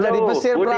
ada di mesir prabu